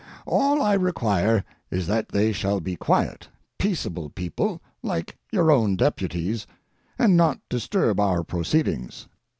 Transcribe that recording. All I require is that they shall be quiet, peaceable people like your own deputies, and not disturb our proceedings.